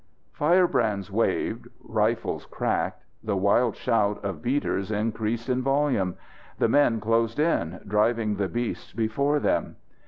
_" Firebrands waved, rifles cracked, the wild shout of beaters increased in volume. The men closed in, driving the beasts before them.